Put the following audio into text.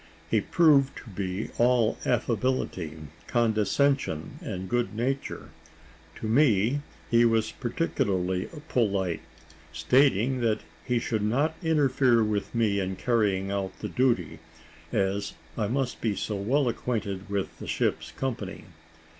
He proved to be all affability, condescension, and good nature. To me he was particularly polite, stating that he should not interfere with me in carrying on the duty, as I must be so well acquainted with the ship's company.